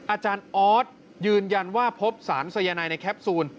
อาจารย์ออสยืนยันว่าพบสารสายนายในแคปซูล